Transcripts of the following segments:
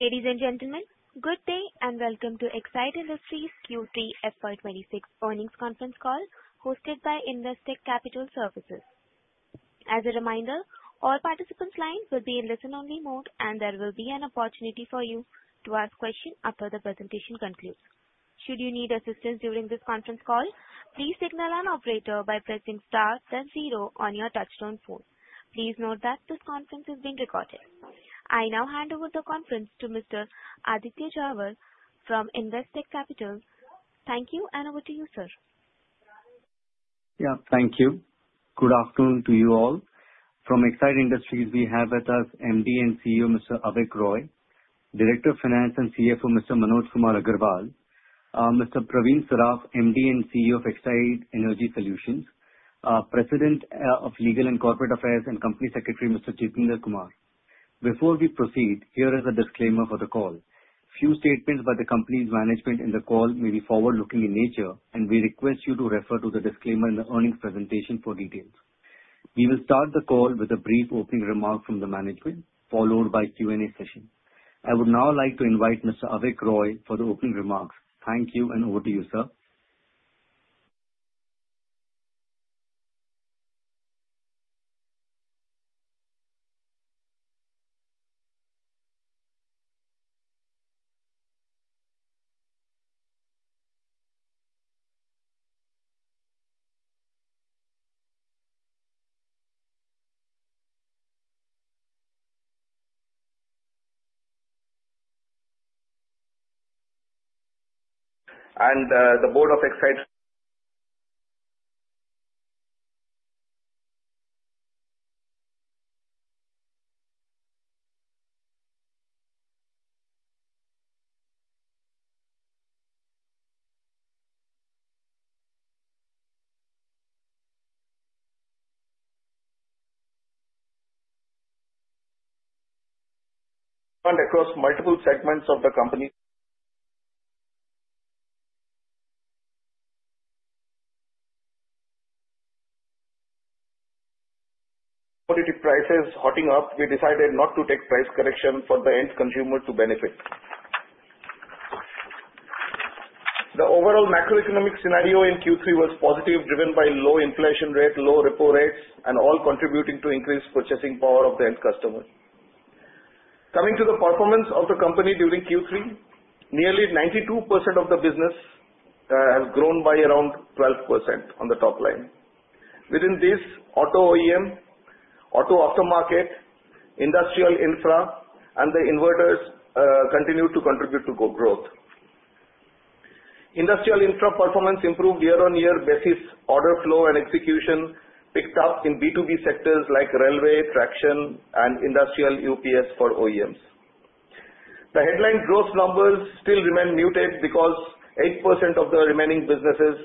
Ladies and gentlemen, good day, and welcome to Exide Industries Q3 FY 2026 earnings conference call, hosted by Investec Capital Services. As a reminder, all participants' lines will be in listen-only mode, and there will be an opportunity for you to ask questions after the presentation concludes. Should you need assistance during this conference call, please signal an operator by pressing star then zero on your touchtone phone. Please note that this conference is being recorded. I now hand over the conference to Mr. Aditya Jhawar from Investec Capital Services. Thank you, and over to you, sir. Yeah. Thank you. Good afternoon to you all. From Exide Industries, we have with us MD and CEO, Mr. Avik Roy, Director of Finance and CFO, Mr. Manoj Kumar Agarwal, Mr. Pravin Saraf, MD and CEO of Exide Energy Solutions, President of Legal and Corporate Affairs and Company Secretary, Mr. Jitendra Kumar. Before we proceed, here is a disclaimer for the call. Few statements by the company's management in the call may be forward-looking in nature, and we request you to refer to the disclaimer in the earnings presentation for details. We will start the call with a brief opening remark from the management, followed by Q&A session. I would now like to invite Mr. Avik Roy for the opening remarks. Thank you, and over to you, sir. The board of Exide across multiple segments of the company. competitive prices hotting up, we decided not to take price correction for the end consumer to benefit. The overall macroeconomic scenario in Q3 was positive, driven by low inflation rate, low repo rates, and all contributing to increased purchasing power of the end customer. Coming to the performance of the company during Q3, nearly 92% of the business has grown by around 12% on the top line. Within this, auto OEM, auto aftermarket, industrial infra, and the inverters continued to contribute to good growth. Industrial infra performance improved year-on-year basis, order flow and execution picked up in B2B sectors like railway, traction, and industrial UPS for OEMs. The headline growth numbers still remain muted because 8% of the remaining businesses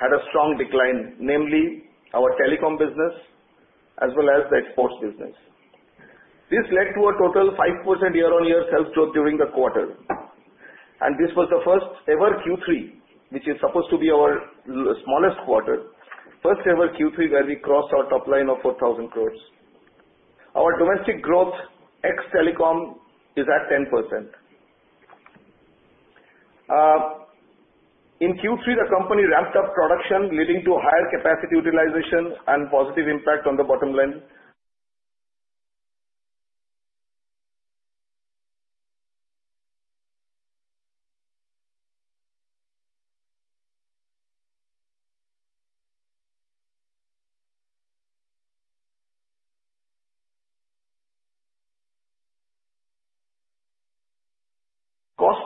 had a strong decline, namely our telecom business as well as the exports business. This led to a total 5% year-on-year sales drop during the quarter, and this was the first ever Q3, which is supposed to be our smallest quarter, first ever Q3, where we crossed our top line of 4,000 crore. Our domestic growth, ex telecom, is at 10%. In Q3, the company ramped up production, leading to higher capacity utilization and positive impact on the bottom line.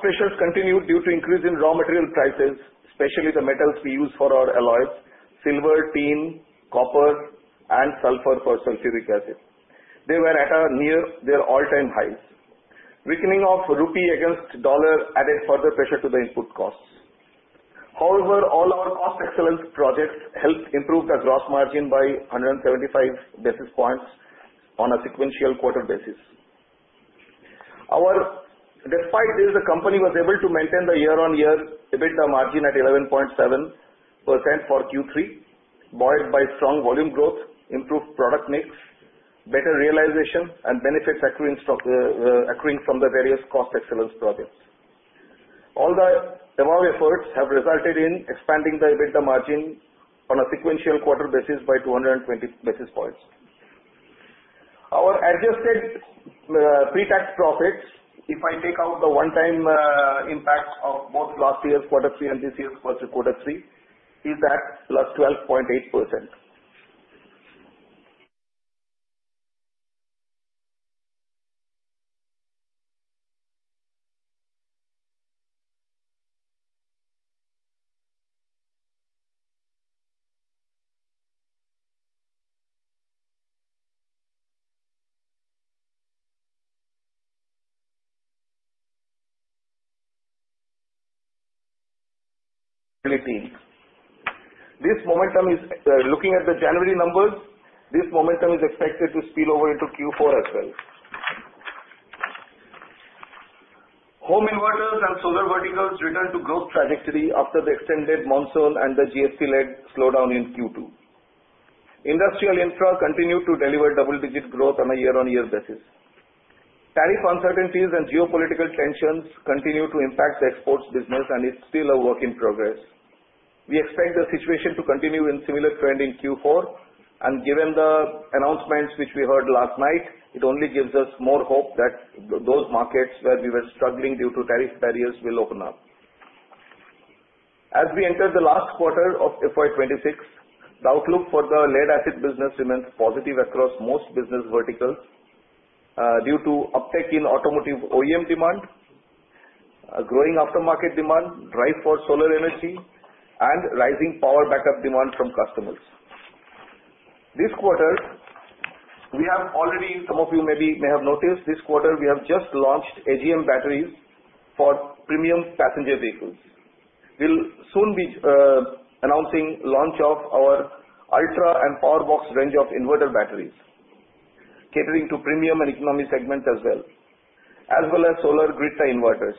Cost pressures continued due to increase in raw material prices, especially the metals we use for our alloys: silver, tin, copper, and sulfur for sulfuric acid. They were at near their all-time highs. Weakening of the rupee against the dollar added further pressure to the input costs. However, all our cost excellence projects helped improve the gross margin by 175 basis points on a sequential quarter basis. Despite this, the company was able to maintain the year-on-year EBITDA margin at 11.7% for Q3, buoyed by strong volume growth, improved product mix, better realization, and benefits accruing stock, accruing from the various cost excellence projects. All the above efforts have resulted in expanding the EBITDA margin on a sequential quarter basis by 220 basis points. Our adjusted, pretax profits, if I take out the one-time, impacts of both last year's quarter three and this year's quarter, quarter three, is at +12.8%. This momentum is, looking at the January numbers, this momentum is expected to spill over into Q4 as well. Home inverters and solar verticals return to growth trajectory after the extended monsoon and the GST-led slowdown in Q2. Industrial infra continued to deliver double-digit growth on a year-on-year basis. Tariff uncertainties and geopolitical tensions continue to impact the exports business, and it's still a work in progress. We expect the situation to continue in similar trend in Q4, and given the announcements which we heard last night, it only gives us more hope that those markets where we were struggling due to tariff barriers will open up. As we enter the last quarter of FY 2026, the outlook for the lead-acid business remains positive across most business verticals, due to uptick in automotive OEM demand, a growing aftermarket demand, drive for solar energy, and rising power backup demand from customers. This quarter, we have already, some of you maybe may have noticed, this quarter we have just launched AGM batteries for premium passenger vehicles. We'll soon be announcing launch of our Ultra and Power Box range of inverter batteries, catering to premium and economy segment as well, as well as solar grid-tie inverters.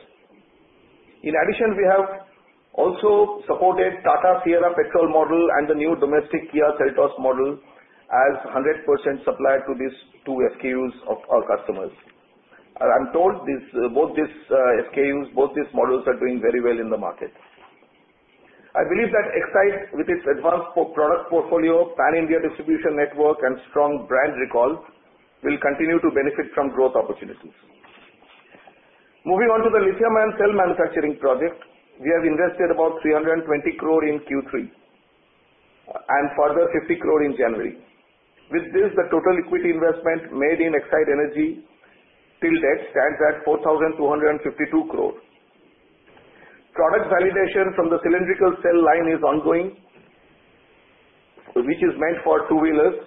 In addition, we have also supported Tata Sierra petrol model and the new domestic Kia Seltos model as 100% supplier to these two SKUs of our customers. I'm told this, both these SKUs, both these models are doing very well in the market. I believe that Exide, with its advanced product portfolio, pan-India distribution network, and strong brand recall, will continue to benefit from growth opportunities. Moving on to the lithium-ion cell manufacturing project, we have invested about 320 crore in Q3, and further 50 crore in January. With this, the total equity investment made in Exide Energy till date stands at 4,252 crore. Product validation from the cylindrical cell line is ongoing, which is meant for two-wheelers,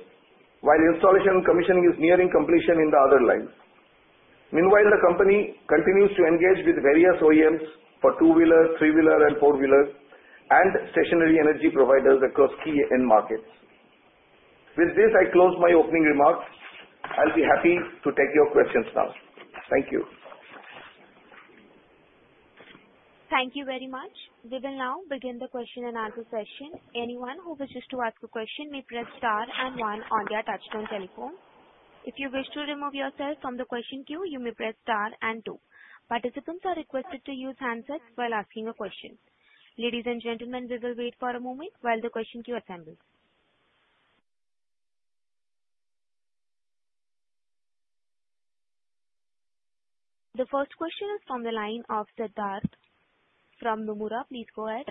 while the installation commissioning is nearing completion in the other lines. Meanwhile, the company continues to engage with various OEMs for two-wheeler, three-wheeler, and four-wheeler and stationary energy providers across key end markets. With this, I close my opening remarks. I'll be happy to take your questions now. Thank you. Thank you very much. We will now begin the question and answer session. Anyone who wishes to ask a question may press star and one on their touchtone telephone. If you wish to remove yourself from the question queue, you may press star and two. Participants are requested to use handsets while asking a question. Ladies and gentlemen, we will wait for a moment while the question queue assembles. The first question is from the line of Siddharth from Nomura. Please go ahead.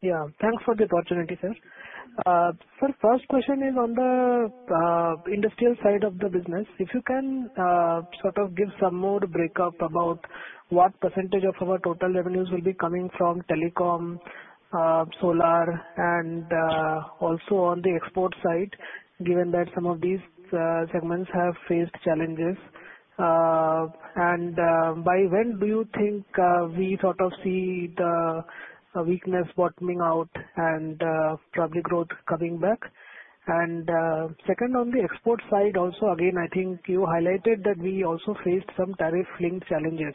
Yeah. Thanks for the opportunity, sir. Sir, first question is on the industrial side of the business. If you can sort of give some more breakup about what percentage of our total revenues will be coming from telecom, solar, and also on the export side, given that some of these segments have faced challenges. And, by when do you think we sort of see the weakness bottoming out and probably growth coming back? And, second, on the export side, also, again, I think you highlighted that we also faced some tariff-linked challenges.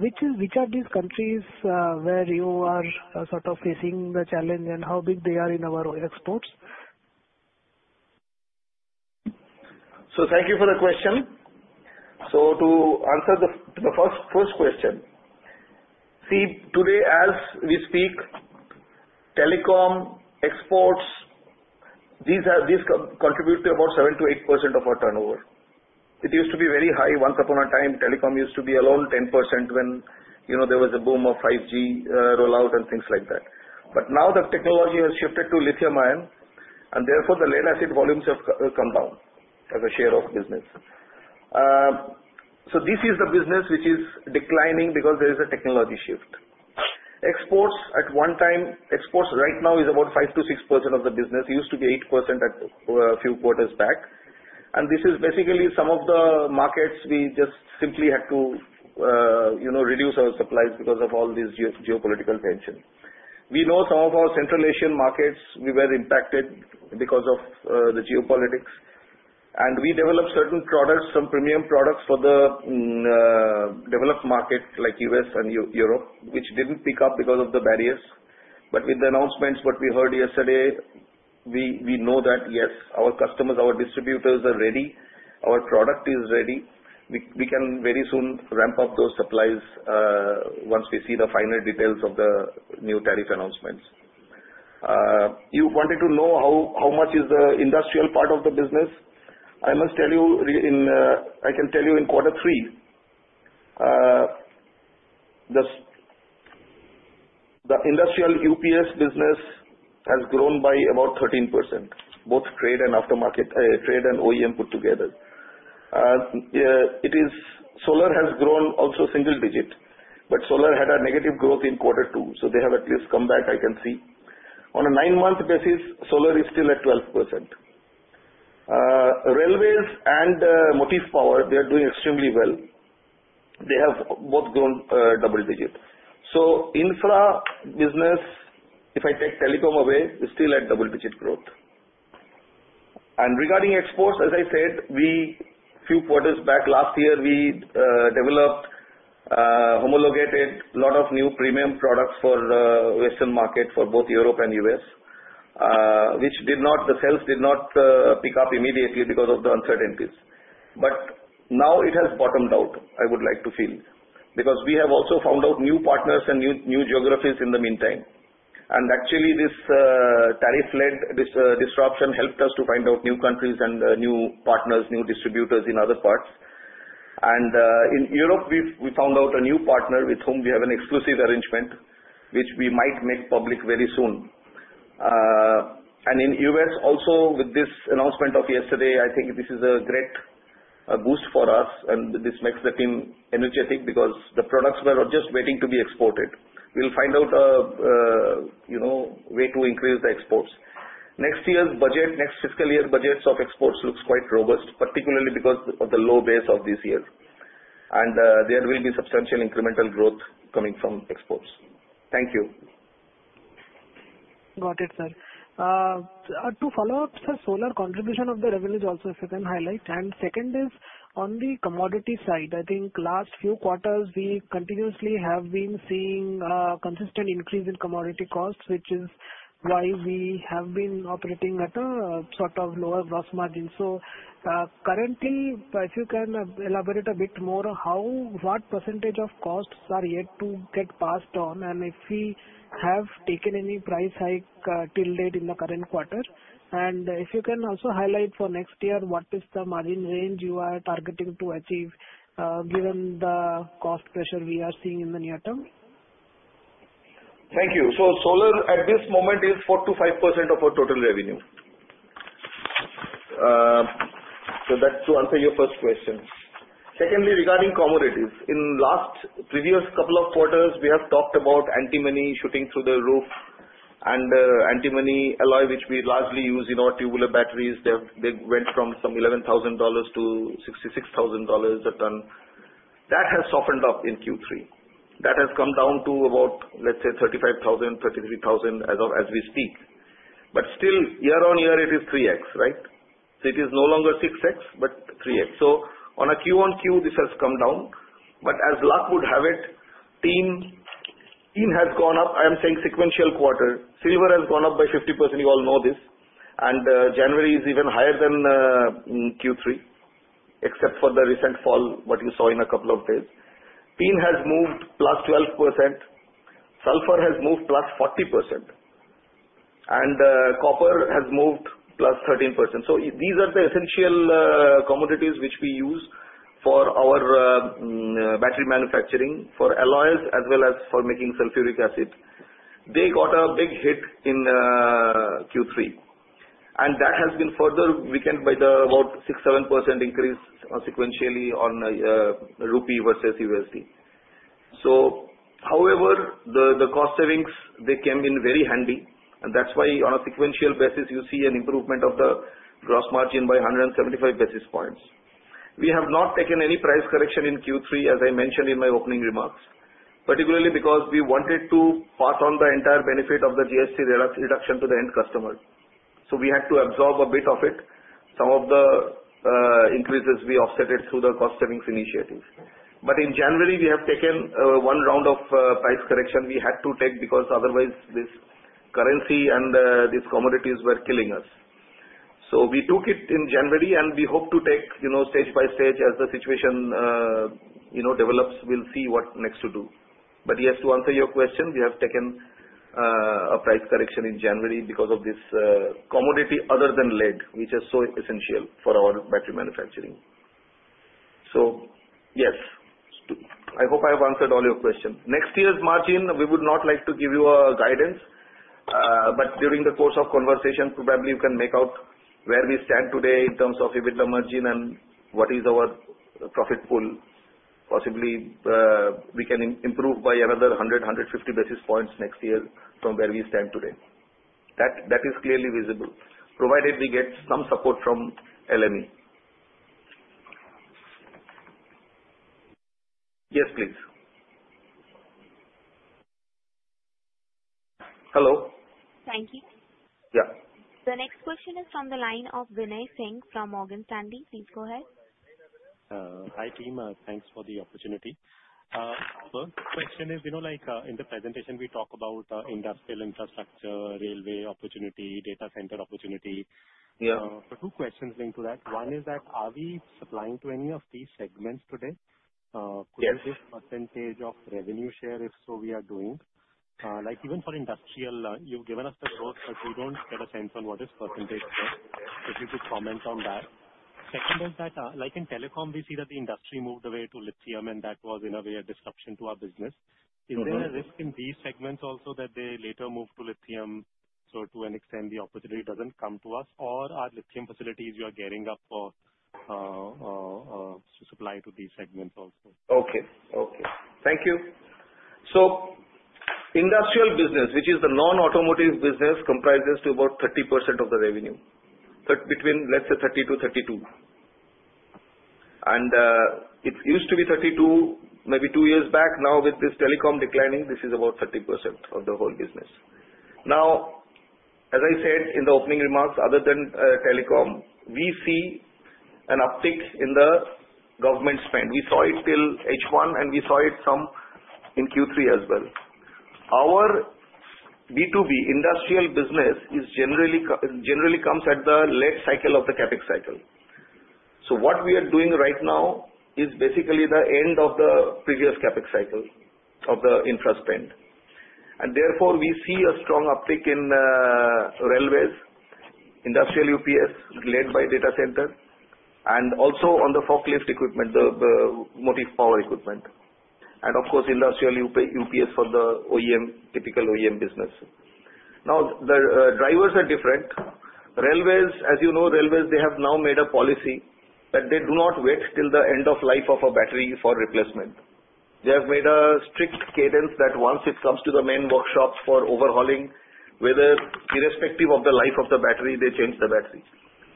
Which are these countries where you are sort of facing the challenge, and how big they are in our exports? So thank you for the question. So to answer the first question: See, today, as we speak, telecom, exports, these co-contribute to about 7%-8% of our turnover. It used to be very high. Once upon a time, telecom used to be alone 10% when, you know, there was a boom of 5G rollout and things like that. But now the technology has shifted to lithium-ion, and therefore, the lead-acid volumes have come down as a share of business. So this is the business which is declining because there is a technology shift. Exports at one time, exports right now is about 5%-6% of the business. It used to be 8% at a few quarters back. And this is basically some of the markets we just simply had to, you know, reduce our supplies because of all these geopolitical tensions. We know some of our Central Asian markets, we were impacted because of the geopolitics. And we developed certain products, some premium products, for the developed market, like U.S. and Europe, which didn't pick up because of the barriers. But with the announcements, what we heard yesterday, we, we know that, yes, our customers, our distributors are ready, our product is ready. We, we can very soon ramp up those supplies, once we see the final details of the new tariff announcements. You wanted to know how, how much is the industrial part of the business? I must tell you in, I can tell you in quarter three, the industrial UPS business has grown by about 13%, both trade and aftermarket, trade and OEM put together. Solar has grown also single digit, but solar had a negative growth in quarter two, so they have at least come back, I can see. On a nine-month basis, solar is still at 12%. Railways and motive power, they are doing extremely well. They have both grown, double digit. So infra business, if I take telecom away, is still at double-digit growth. Regarding exports, as I said, we, few quarters back last year, we developed homologated a lot of new premium products for Western market, for both Europe and U.S., which the sales did not pick up immediately because of the uncertainties. But now it has bottomed out, I would like to feel, because we have also found out new partners and new geographies in the meantime. And actually, this tariff-led disruption helped us to find out new countries and new partners, new distributors in other parts. And in Europe, we have found out a new partner with whom we have an exclusive arrangement, which we might make public very soon. In the U.S. also, with this announcement of yesterday, I think this is a great boost for us, and this makes the team energetic, because the products were just waiting to be exported. We'll find out, you know, way to increase the exports. Next year's budget, next fiscal year budgets of exports looks quite robust, particularly because of the low base of this year. There will be substantial incremental growth coming from exports. Thank you. Got it, sir. To follow up, sir, solar contribution of the revenue also, if you can highlight. And second is, on the commodity side, I think last few quarters, we continuously have been seeing, consistent increase in commodity costs, which is why we have been operating at a, sort of lower gross margin. So, currently, if you can elaborate a bit more on how, what percentage of costs are yet to get passed on, and if we have taken any price hike, till date in the current quarter? And if you can also highlight for next year, what is the margin range you are targeting to achieve, given the cost pressure we are seeing in the near term? Thank you. So solar, at this moment, is 4%-5% of our total revenue. So that's to answer your first question. Secondly, regarding commodities. In last previous couple of quarters, we have talked about antimony shooting through the roof and antimony alloy, which we largely use in our tubular batteries. They went from some $11,000 to $66,000 a ton. That has softened up in Q3. That has come down to about, let's say, $35,000, $33,000 as we speak. But still, year-on-year, it is 3x, right? So it is no longer 6x, but 3x. So on a Q-on-Q, this has come down. But as luck would have it, tin has gone up, I am saying sequential quarter. Silver has gone up by 50%, you all know this. And, January is even higher than Q3, except for the recent fall, what you saw in a couple of days. Tin has moved +12%, sulfur has moved +40%, and copper has moved +13%. So these are the essential commodities which we use for our battery manufacturing, for alloys, as well as for making sulfuric acid. They got a big hit in Q3, and that has been further weakened by the about 6%-7% increase sequentially on rupee versus USD. So however, the cost savings, they came in very handy, and that's why on a sequential basis, you see an improvement of the gross margin by 175 basis points. We have not taken any price correction in Q3, as I mentioned in my opening remarks, particularly because we wanted to pass on the entire benefit of the GST reduction to the end customer. So we had to absorb a bit of it. Some of the increases we offset through the cost savings initiatives. But in January, we have taken one round of price correction we had to take, because otherwise this currency and these commodities were killing us. So we took it in January, and we hope to take, you know, stage by stage. As the situation you know develops, we'll see what next to do. But yes, to answer your question, we have taken a price correction in January because of this commodity other than lead, which is so essential for our battery manufacturing. So yes, I hope I have answered all your questions. Next year's margin, we would not like to give you a guidance, but during the course of conversation, probably you can make out where we stand today in terms of EBITDA margin and what is our profit pool. Possibly, we can improve by another 100-150 basis points next year from where we stand today. That is clearly visible, provided we get some support from LME. Yes, please. Hello? Thank you. Yeah. The next question is from the line of Binay Singh from Morgan Stanley. Please go ahead. Hi, team. Thanks for the opportunity. First question is, you know, like, in the presentation, we talk about, industrial infrastructure, railway opportunity, data center opportunity. Yeah. So two questions linked to that. One is that, are we supplying to any of these segments today? Yes. Could you give percentage of revenue share, if so we are doing? Like, even for industrial, you've given us the growth, but we don't get a sense on what is percentage there. If you could comment on that. Second is that, like in telecom, we see that the industry moved away to lithium, and that was in a way a disruption to our business. Mm-hmm. Is there a risk in these segments also that they later move to lithium, so to an extent, the opportunity doesn't come to us? Or are lithium facilities you are gearing up for, to supply to these segments also? Okay. Okay, thank you. So industrial business, which is the non-automotive business, comprises to about 30% of the revenue, but between, let's say, 30%-32%. And, it used to be 32%, maybe two years back. Now, with this telecom declining, this is about 30% of the whole business. Now, as I said in the opening remarks, other than telecom, we see an uptick in the government spend. We saw it till H1, and we saw it some in Q3 as well. Our B2B industrial business is generally comes at the late cycle of the CapEx cycle. So what we are doing right now is basically the end of the previous CapEx cycle of the infra spend. And therefore, we see a strong uptick in railways, industrial UPS led by data center, and also on the forklift equipment, the motive power equipment, and of course, industrial UPS for the OEM, typical OEM business. Now, the drivers are different. Railways, as you know, railways, they have now made a policy that they do not wait till the end of life of a battery for replacement. They have made a strict cadence that once it comes to the main workshops for overhauling, whether irrespective of the life of the battery, they change the battery.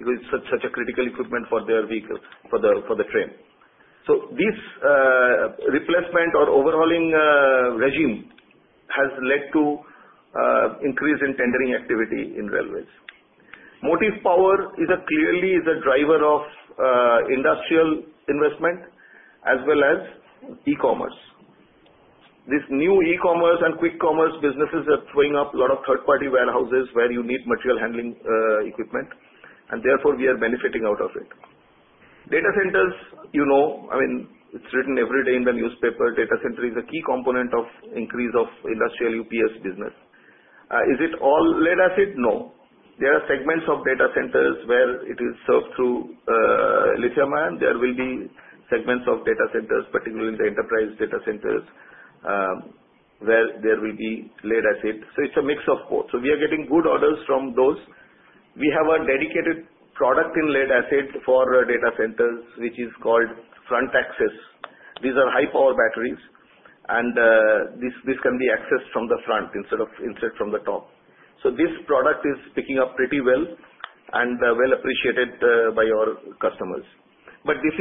It is such a critical equipment for their vehicles, for the train. So this replacement or overhauling regime has led to increase in tendering activity in railways. Motive power is clearly a driver of industrial investment as well as e-commerce. This new e-commerce and quick commerce businesses are throwing up a lot of third-party warehouses where you need material handling equipment, and therefore we are benefiting out of it. Data centers, you know, I mean, it's written every day in the newspaper. Data center is a key component of increase of industrial UPS business. Is it all lead-acid? No. There are segments of data centers where it is served through lithium-ion. There will be segments of data centers, particularly in the enterprise data centers, where there will be lead-acid. So it's a mix of both. So we are getting good orders from those. We have a dedicated product in lead-acid for data centers, which is called Front Access. These are high power batteries, and this can be accessed from the front instead of inserted from the top. So this product is picking up pretty well, and well appreciated by our customers. But this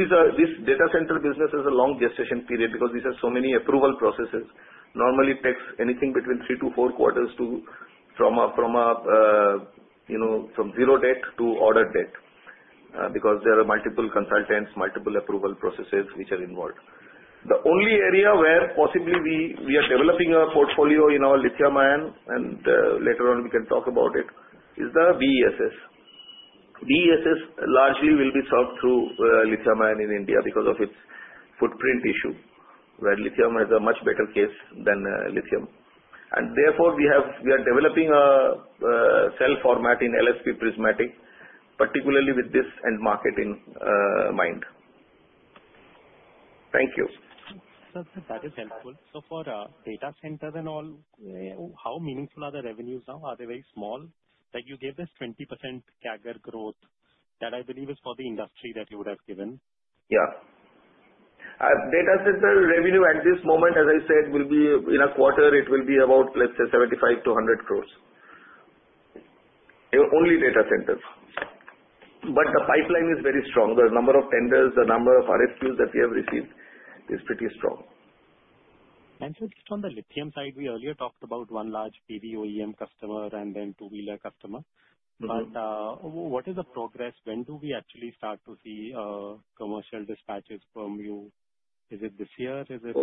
data center business is a long gestation period because these are so many approval processes. Normally, it takes anything between three to four quarters to, from a, you know, from zero debt to order debt, because there are multiple consultants, multiple approval processes which are involved. The only area where possibly we are developing our portfolio in our lithium-ion, and later on we can talk about it, is the BESS. BESS largely will be solved through lithium-ion in India because of its footprint issue, where lithium is a much better case than lithium. And therefore, we are developing a cell format in LFP prismatic, particularly with this end market in mind. Thank you. Sir, that is helpful. So for, data centers and all, how meaningful are the revenues now? Are they very small? Like, you gave this 20% CAGR growth that I believe is for the industry that you would have given. Yeah. Data center revenue at this moment, as I said, will be in a quarter, it will be about, let's say, 75 crore-100 crore. In only data centers. But the pipeline is very strong. The number of tenders, the number of RFQs that we have received is pretty strong. Just on the lithium side, we earlier talked about one large PV OEM customer and then two-wheeler customer. Mm-hmm. But, what is the progress? When do we actually start to see commercial dispatches from you? Is it this year? Is it?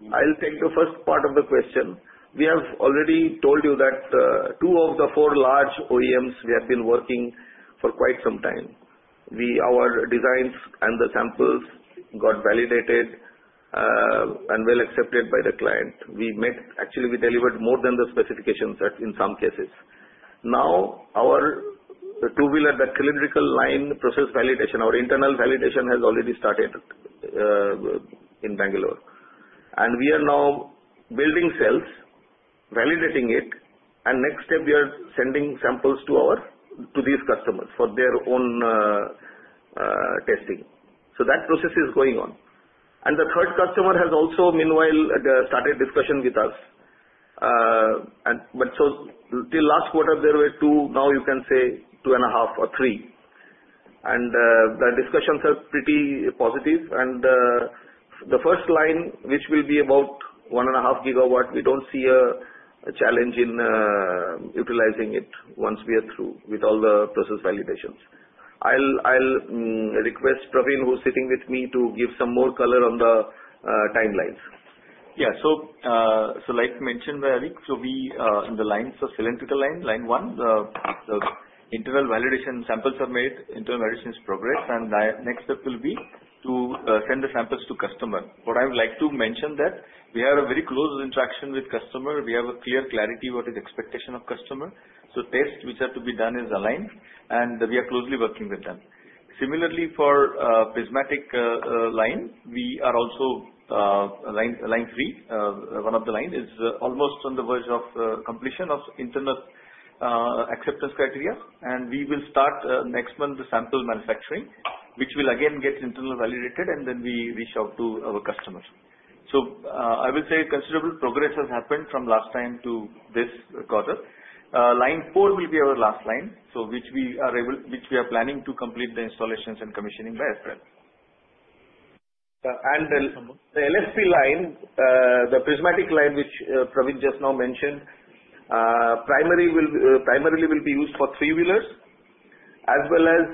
So I'll take the first part of the question. We have already told you that, two of the four large OEMs, we have been working for quite some time. Our designs and the samples got validated, and well accepted by the client. Actually, we delivered more than the specifications that in some cases. Now, our, the two-wheeler, that cylindrical line process validation, our internal validation has already started, in Bangalore. And we are now building cells, validating it, and next step, we are sending samples to our, to these customers for their own, testing. So that process is going on. And the third customer has also meanwhile, started discussion with us. And but so till last quarter, there were two, now you can say two and a half or three. The discussions are pretty positive, and the first line, which will be about 1.5 GW, we don't see a challenge in utilizing it once we are through with all the process validations. I'll request Pravin, who is sitting with me, to give some more color on the timelines. Yeah. So, so like mentioned by Avik, so we, in the lines of cylindrical line, line one, the internal validation samples are made, internal validation is progress, and the next step will be to send the samples to customer. What I would like to mention that we have a very close interaction with customer. We have a clear clarity what is expectation of customer. So tests which have to be done is aligned, and we are closely working with them. Similarly, for prismatic, line, line three, one of the line is almost on the verge of completion of internal acceptance criteria, and we will start next month the sample manufacturing, which will again get internal validated, and then we reach out to our customers. So, I will say considerable progress has happened from last time to this quarter. Line four will be our last line, so we are planning to complete the installations and commissioning by April. And the LFP line, the prismatic line, which Pravin just now mentioned, primarily will be used for three-wheelers, as well as,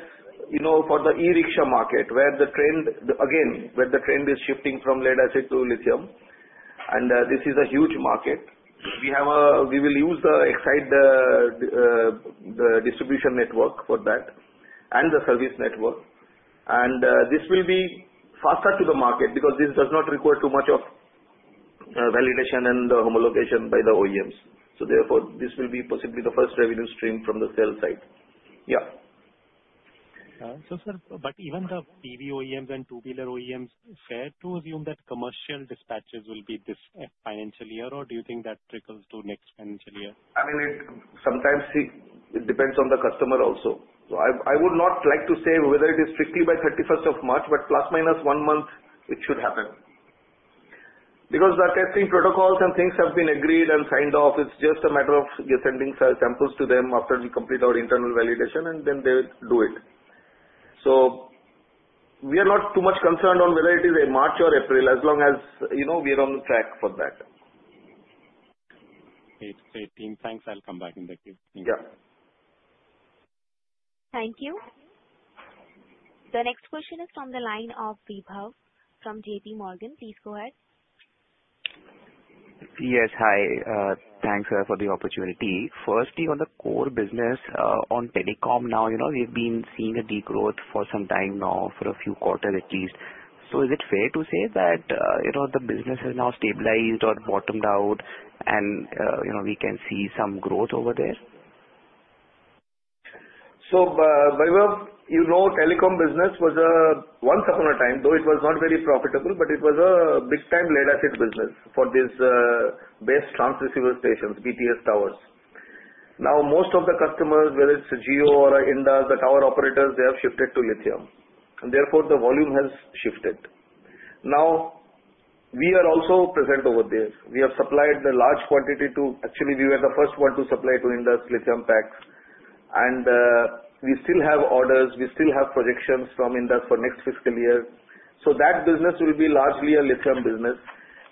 you know, for the e-rickshaw market, where the trend is shifting from lead-acid to lithium, and this is a huge market. We will use the Exide distribution network for that and the service network. And this will be faster to the market because this does not require too much of validation and homologation by the OEMs. Therefore, this will be possibly the first revenue stream from the sales side. Yeah. So, sir, but even the PV OEMs and two-wheeler OEMs, fair to assume that commercial dispatches will be this financial year, or do you think that trickles to next financial year? I mean, it sometimes depends on the customer also. So I would not like to say whether it is strictly by 31st of March, but plus minus one month, it should happen. Because the testing protocols and things have been agreed and signed off, it's just a matter of us sending samples to them after we complete our internal validation, and then they do it. So we are not too much concerned on whether it is in March or April, as long as, you know, we are on the track for that. It's okay, team. Thanks. I'll come back in the queue. Yeah. Thank you. The next question is from the line of Vibhav from JPMorgan. Please go ahead. Yes, hi. Thanks for the opportunity. Firstly, on the core business, on telecom now, you know, we've been seeing a decline growth for some time now, for a few quarters at least. So is it fair to say that, you know, the business has now stabilized or bottomed out and, you know, we can see some growth over there? So, Vibhav, you know, telecom business was once upon a time, though it was not very profitable, but it was a big-time lead-acid business for these base transceiver stations, BTS towers. Now, most of the customers, whether it's Jio or Indus, the tower operators, they have shifted to lithium, and therefore, the volume has shifted. Now, we are also present over there. We have supplied a large quantity to, actually, we were the first one to supply to Indus lithium packs, and we still have orders, we still have projections from Indus for next fiscal year. So that business will be largely a lithium business.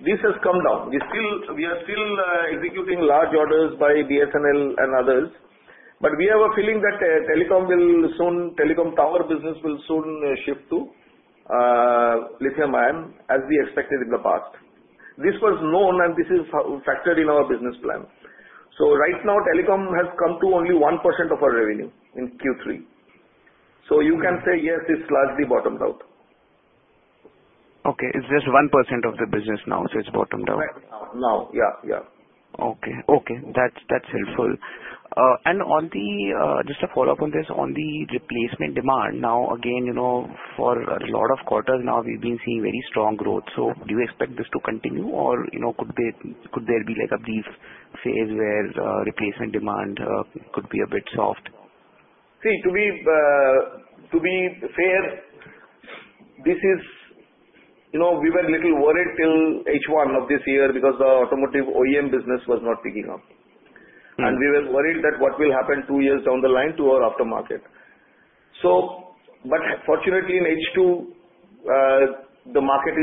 This has come down. We are still executing large orders by BSNL and others, but we have a feeling that telecom tower business will soon shift to lithium-ion, as we expected in the past. This was known and this is factored in our business plan. So right now, telecom has come to only 1% of our revenue in Q3. So you can say, yes, it's largely bottomed out. Okay, it's just 1% of the business now, so it's bottomed out? Right now. Now, yeah, yeah. Okay, okay, that's, that's helpful. And on the, just a follow-up on this, on the replacement demand, now, again, you know, for a lot of quarters now, we've been seeing very strong growth. So do you expect this to continue or, you know, could there be, like, a brief phase where replacement demand could be a bit soft? See, to be fair, this is, you know, we were a little worried till H1 of this year because the automotive OEM business was not picking up. Mm-hmm. We were worried that what will happen two years down the line to our aftermarket. But fortunately, in H2, the market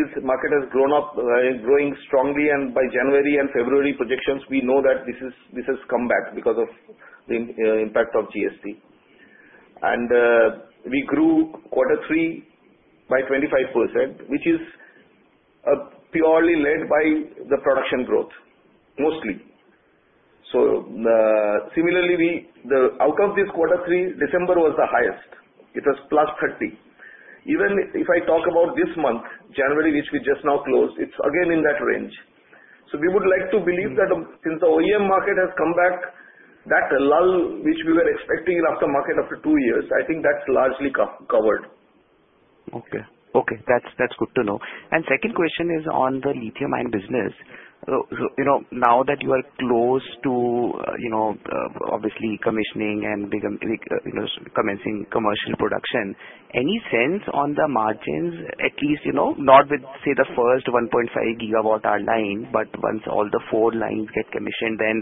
has grown up, growing strongly, and by January and February projections, we know that this has come back because of the impact of GST. We grew quarter three by 25%, which is purely led by the production growth, mostly. So similarly, out of this quarter three, December was the highest. It was +30%. Even if I talk about this month, January, which we just now closed, it's again in that range. So we would like to believe that since the OEM market has come back, that lull, which we were expecting in aftermarket after two years, I think that's largely covered. Okay. Okay, that's, that's good to know. Second question is on the lithium-ion business. So, you know, now that you are close to, you know, obviously commissioning and become, you know, commencing commercial production, any sense on the margins, at least, you know, not with, say, the first 1.5 GWh line, but once all the four lines get commissioned, then,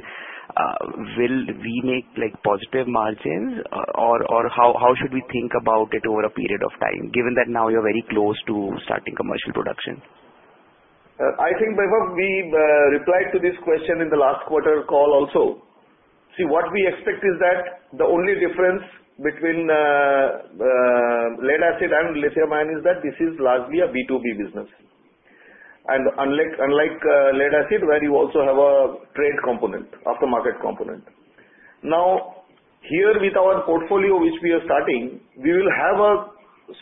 will we make, like, positive margins? Or, or how, how should we think about it over a period of time, given that now you're very close to starting commercial production? I think, Vibhav, we replied to this question in the last quarter call also. See, what we expect is that the only difference between lead-acid and lithium-ion is that this is largely a B2B business. And unlike unlike lead-acid, where you also have a trade component, aftermarket component. Now, here with our portfolio, which we are starting, we will have a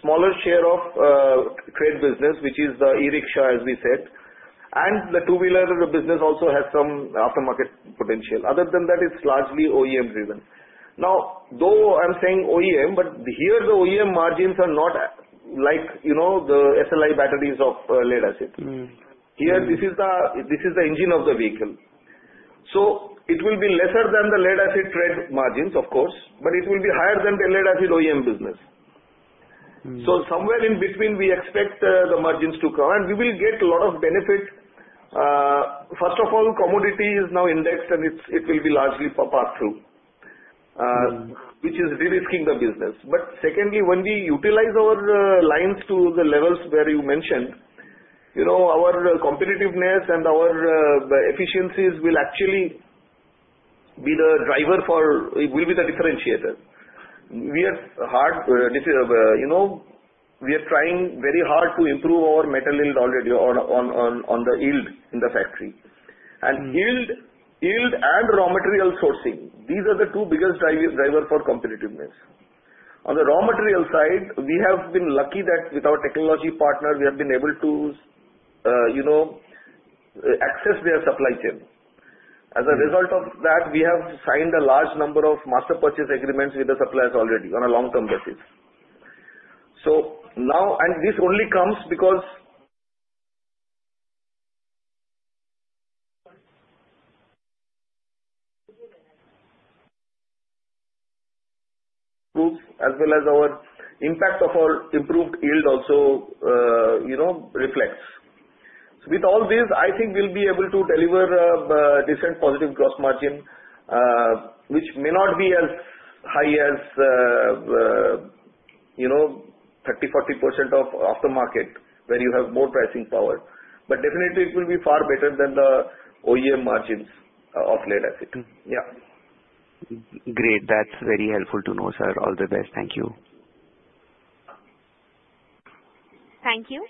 smaller share of trade business, which is the e-rickshaw, as we said, and the two-wheeler of the business also has some aftermarket potential. Other than that, it's largely OEM driven. Now, though I'm saying OEM, but here the OEM margins are not like, you know, the SLI batteries of lead-acid. Mm-hmm. Here, this is the engine of the vehicle, so it will be lesser than the lead-acid trade margins, of course, but it will be higher than the lead-acid OEM business. So somewhere in between, we expect the margins to come, and we will get a lot of benefit. First of all, commodity is now indexed, and it will be largely for pass-through. Mm. Which is de-risking the business. But secondly, when we utilize our lines to the levels where you mentioned, you know, our competitiveness and our efficiencies will actually be the driver for, it will be the differentiator. We are trying very hard to improve our metal yield already on the yield in the factory. Mm. Yield, yield and raw material sourcing, these are the two biggest driver for competitiveness. On the raw material side, we have been lucky that with our technology partner, we have been able to, you know, access their supply chain. Mm. As a result of that, we have signed a large number of master purchase agreements with the suppliers already on a long-term basis. So now, and this only comes because as well as our impact of our improved yield also, you know, reflects. With all this, I think we'll be able to deliver decent positive gross margin, which may not be as high as, you know, 30%-40% off the market where you have more pricing power, but definitely it will be far better than the OEM margins of lead-acid. Yeah. Great. That's very helpful to know, sir. All the best. Thank you. Thank you.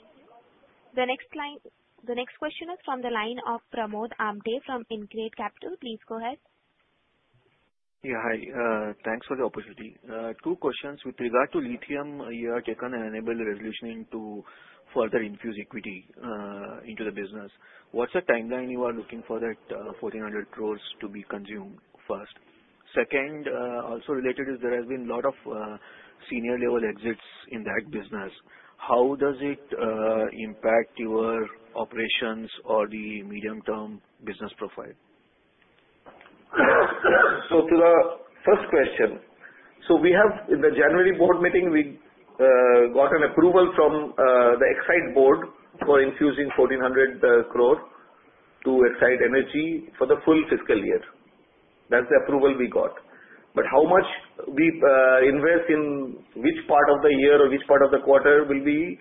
The next question is from the line of Pramod Amthe from InCred Capital. Please go ahead. Yeah, hi. Thanks for the opportunity. Two questions: With regard to lithium, you have taken an enabling resolution to further infuse equity into the business. What's the timeline you are looking for that 1,400 crore to be consumed first? Second, also related, is there has been a lot of senior level exits in that business. How does it impact your operations or the medium-term business profile? So to the first question, so we have, in the January board meeting, we got an approval from the Exide board for infusing 1,400 crore to Exide Energy for the full fiscal year. That's the approval we got. But how much we invest in which part of the year or which part of the quarter will be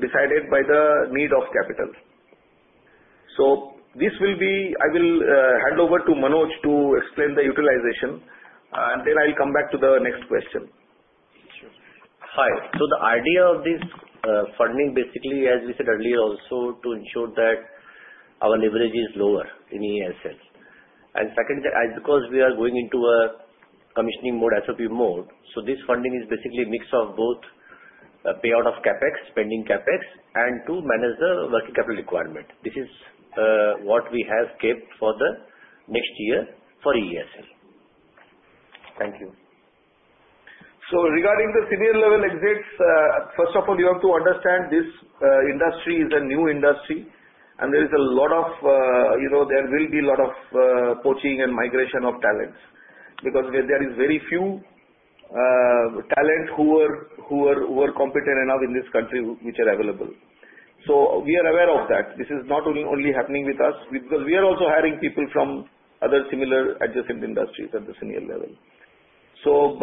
decided by the need of capital. So this will be, I will hand over to Manoj to explain the utilization, and then I'll come back to the next question. Sure. Hi. So the idea of this funding, basically, as we said earlier, also to ensure that our leverage is lower in ESL. And second, that and because we are going into a commissioning mode, SOP mode, so this funding is basically a mix of both a payout of CapEx, spending CapEx, and to manage the working capital requirement. This is what we have kept for the next year for ESL. Thank you. So regarding the senior level exits, first of all, you have to understand this, industry is a new industry, and there is a lot of, you know, there will be a lot of, poaching and migration of talents, because there is very few, talent who are competent enough in this country, which are available. So we are aware of that. This is not only only happening with us, because we are also hiring people from other similar adjacent industries at the senior level. So,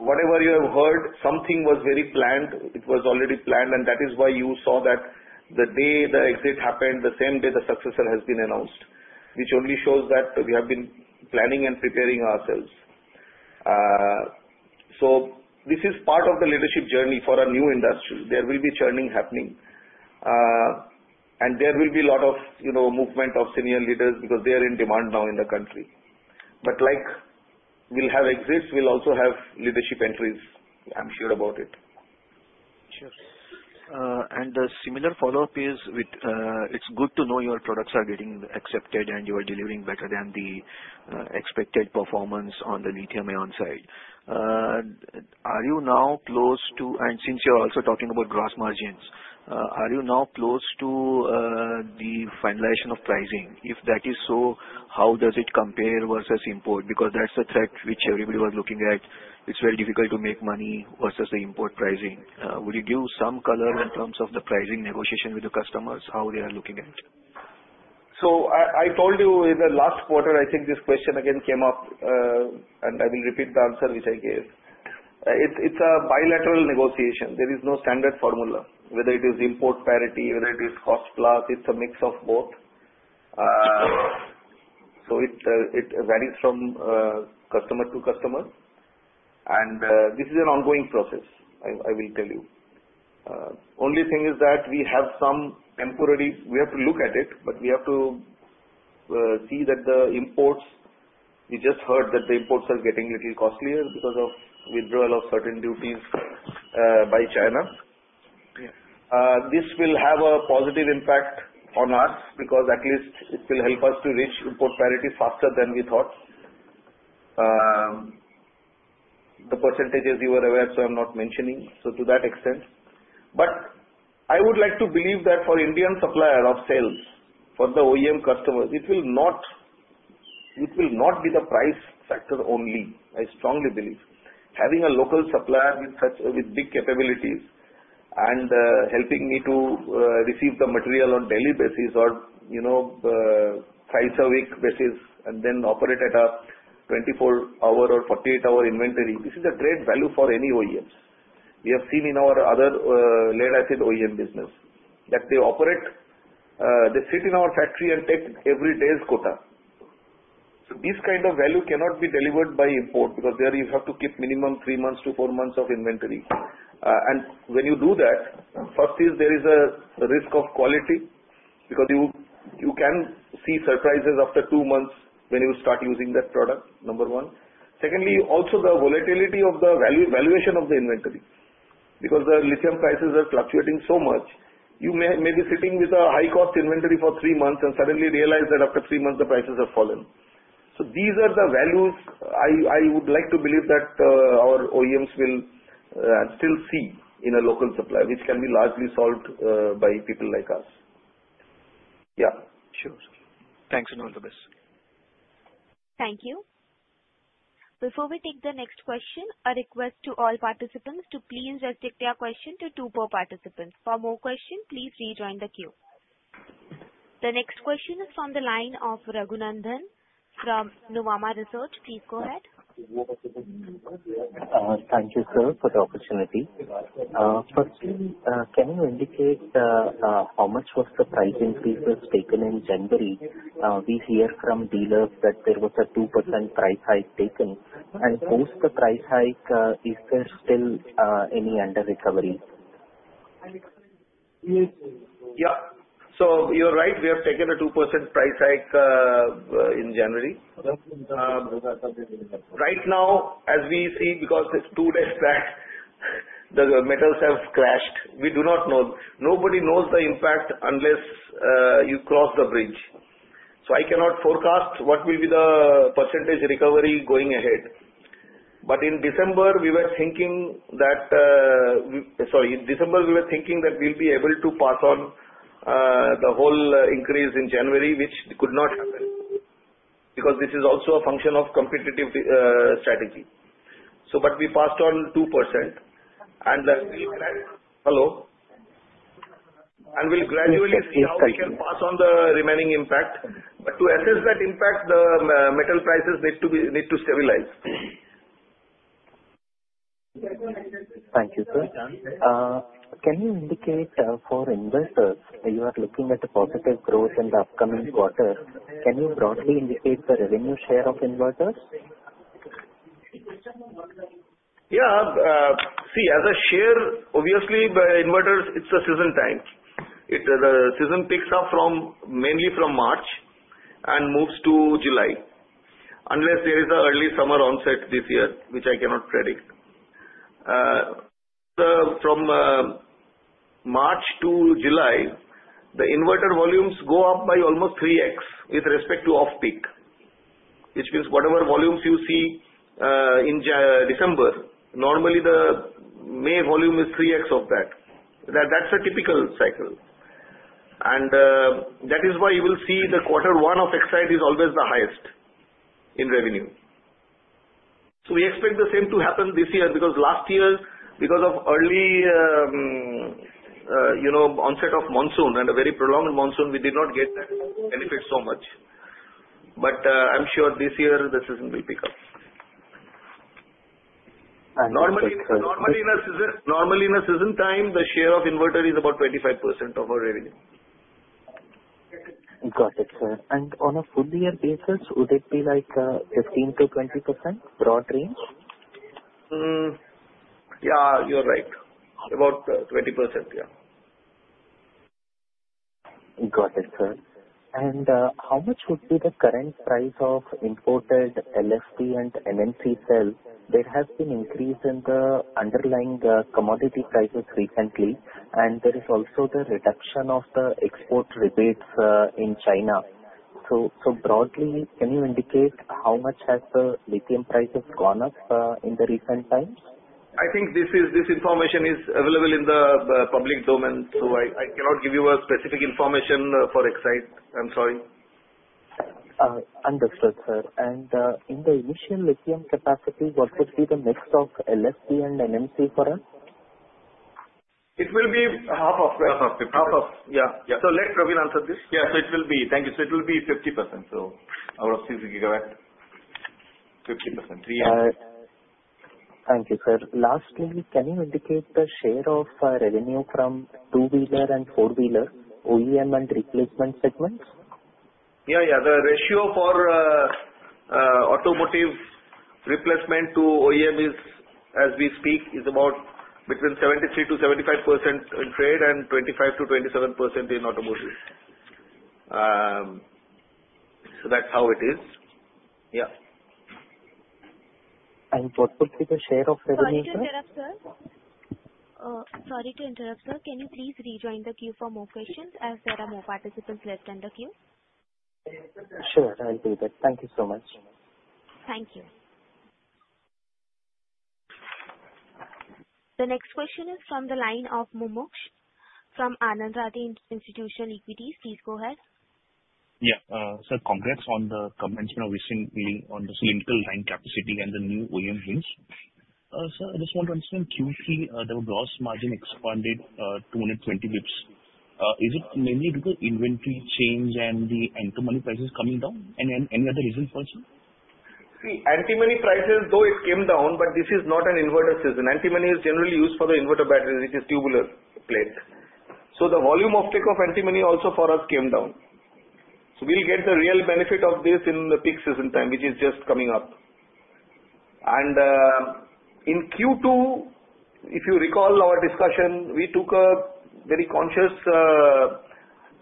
whatever you have heard, something was very planned, it was already planned, and that is why you saw that the day the exit happened, the same day the successor has been announced, which only shows that we have been planning and preparing ourselves. So this is part of the leadership journey for a new industry. There will be churning happening, and there will be a lot of, you know, movement of senior leaders because they are in demand now in the country. But like, we'll have exits, we'll also have leadership entries. I'm sure about it. Sure. And a similar follow-up is with, it's good to know your products are getting accepted and you are delivering better than the expected performance on the lithium-ion side. Are you now close to, and since you're also talking about gross margins, are you now close to the finalization of pricing? If that is so, how does it compare versus import? Because that's the track which everybody was looking at. It's very difficult to make money versus the import pricing. Will you give some color in terms of the pricing negotiation with the customers, how they are looking at it? So I, I told you in the last quarter, I think this question again came up, and I will repeat the answer which I gave. It's, it's a bilateral negotiation. There is no standard formula, whether it is import parity, whether it is cost plus, it's a mix of both. So it, it varies from, customer to customer, and, this is an ongoing process, I, I will tell you. Only thing is that we have some temporary - We have to look at it, but we have to, see that the imports, we just heard that the imports are getting a little costlier because of withdrawal of certain duties, by China. Yeah. This will have a positive impact on us, because at least it will help us to reach import parity faster than we thought. The percentages you are aware, so I'm not mentioning, so to that extent. But I would like to believe that for Indian supplier of sales, for the OEM customers, it will not be the price factor only, I strongly believe. Having a local supplier with such, with big capabilities and helping me to receive the material on daily basis or, you know, thrice a week basis, and then operate at a 24-hour or 48-hour inventory, this is a great value for any OEMs. We have seen in our other lead-acid OEM business, that they operate, they sit in our factory and take every day's quota. So this kind of value cannot be delivered by import, because there you have to keep minimum three months to four months of inventory. And when you do that, first is there is a risk of quality, because you can see surprises after two months when you start using that product, number one. Secondly, also the volatility of the valuation of the inventory, because the lithium prices are fluctuating so much. You may be sitting with a high-cost inventory for three months and suddenly realize that after three months the prices have fallen. So these are the values I would like to believe that our OEMs will still see in a local supply, which can be largely solved by people like us. Yeah. Sure. Thanks, and all the best. Thank you. Before we take the next question, a request to all participants to please restrict their question to two per participant. For more questions, please rejoin the queue. The next question is from the line of Raghunandan from Nuvama Research. Please go ahead. Thank you, sir, for the opportunity. Firstly, can you indicate how much was the price increase that was taken in January? We hear from dealers that there was a 2% price hike taken. And post the price hike, is there still any underrecovery? Yeah. So you're right, we have taken a 2% price hike in January. Right now, as we see, because it's two days back, the metals have crashed. We do not know. Nobody knows the impact unless you cross the bridge. So I cannot forecast what will be the percentage recovery going ahead. But in December, we were thinking that we'll be able to pass on the whole increase in January, which could not happen, because this is also a function of competitive strategy. So but we passed on 2% and then. Hello? And we'll gradually see how we can pass on the remaining impact. But to assess that impact, the metal prices need to be, need to stabilize. Thank you, sir. Can you indicate, for inverters, you are looking at a positive growth in the upcoming quarter, can you broadly indicate the revenue share of inverters? Yeah. See, as a share, obviously by inverters, it's a season time. It, the season picks up from, mainly from March and moves to July, unless there is a early summer onset this year, which I cannot predict. The, from, March to July, the inverter volumes go up by almost 3x with respect to off-peak, which means whatever volumes you see, in December, normally the May volume is 3x of that. That's a typical cycle. And, that is why you will see the quarter one of Exide is always the highest in revenue. So we expect the same to happen this year, because last year, because of early, you know, onset of monsoon and a very prolonged monsoon, we did not get that benefit so much. But, I'm sure this year the season will pick up. I understand, sir. Normally, in a season time, the share of inverter is about 25% of our revenue. Got it, sir. On a full year basis, would it be like 15%-20%, broad range? Hmm. Yeah, you're right. About 20%. Yeah. Got it, sir. And, how much would be the current price of imported LFP and NMC cells? There has been increase in the underlying, commodity prices recently, and there is also the reduction of the export rebates, in China. So, so broadly, can you indicate how much has the lithium prices gone up, in the recent times? I think this information is available in the public domain, so I cannot give you a specific information for Exide. I'm sorry. Understood, sir. In the initial lithium capacity, what would be the mix of LFP and NMC for us? It will be half of that. So let Pravin answer this. Yes, it will be. Thank you. So it will be 50%, so out of 60 GW, 50%. Thank you, sir. Lastly, can you indicate the share of revenue from two-wheeler and four-wheeler, OEM and replacement segments? Yeah, yeah. The ratio for automotive replacement to OEM is, as we speak, is about between 73%-75% in trade and 25%-27% in automotive. So that's how it is. Yeah. What would be the share of revenue? Sorry to interrupt, sir. Sorry to interrupt, sir. Can you please rejoin the queue for more questions, as there are more participants left in the queue? Sure, I'll do that. Thank you so much. Thank you. The next question is from the line of Mumuksh, from Anand Rathi Institutional Equity. Please go ahead. Yeah. So congrats on the commencement recently of the cell line capacity and the new OEM wins. Sir, I just want to understand, Q3, the gross margin expanded 220 basis points. Is it mainly because inventory change and the antimony prices coming down? Any other reasons also? See, antimony prices, though it came down, but this is not an inverter season. Antimony is generally used for the inverter battery, which is tubular plate. So the volume of take of antimony also for us came down. So we'll get the real benefit of this in the peak season time, which is just coming up. And, in Q2, if you recall our discussion, we took a very conscious,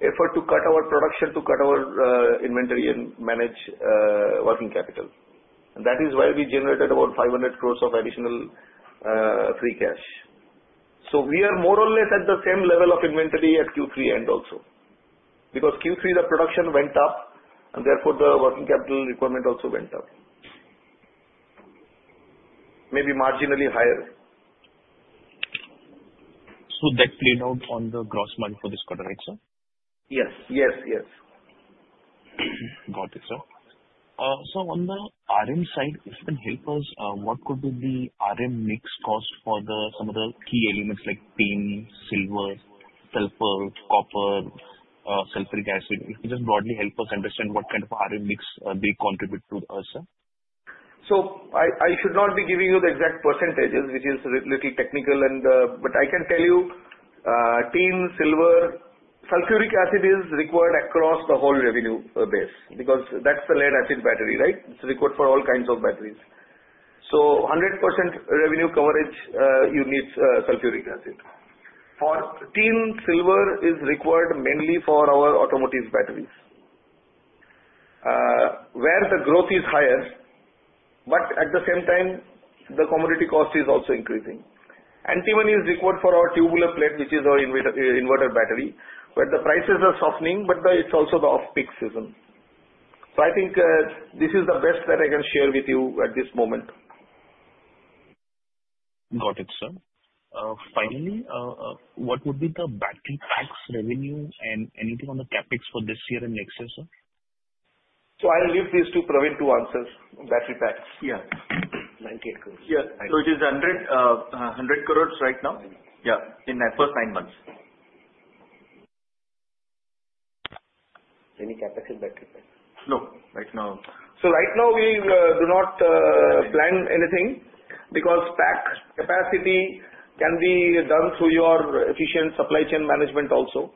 effort to cut our production, to cut our, inventory and manage, working capital. And that is why we generated about 500 crore of additional, free cash. So we are more or less at the same level of inventory at Q3 end also. Because Q3, the production went up, and therefore, the working capital requirement also went up. Maybe marginally higher. So that played out on the gross margin for this quarter, right, sir? Yes. Yes, yes. Got it, sir. Sir, on the RM side, if you can help us, what could be the RM mix cost for some of the key elements like tin, silver, sulfur, copper, sulfuric acid? If you just broadly help us understand what kind of RM mix they contribute to, sir. So I should not be giving you the exact percentages, which is little technical and. But I can tell you, tin, silver, sulfuric acid is required across the whole revenue base, because that's a lead-acid battery, right? It's required for all kinds of batteries. So 100% revenue coverage, you need sulfuric acid. For tin, silver is required mainly for our automotive batteries. Where the growth is higher, but at the same time, the commodity cost is also increasing. Antimony is required for our tubular plate, which is our inverter battery, where the prices are softening, but it's also the off-peak season. So I think, this is the best that I can share with you at this moment. Got it, sir. Finally, what would be the battery packs revenue and anything on the CapEx for this year and next year, sir? I'll leave these to Pravin to answer, battery packs. Yeah. 98 crore. Yeah. So it is 100 crore right now. Yeah, in the first nine months. Any CapEx in battery packs? No, right now. So right now we do not plan anything, because pack capacity can be done through your efficient supply chain management also.